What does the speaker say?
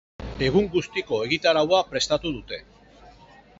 Egun guztiko egitaraua prestatu dute